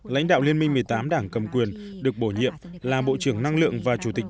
lãnh đạo liên minh một mươi tám đảng cầm quyền được bổ nhiệm là bộ trưởng năng lượng và chủ tịch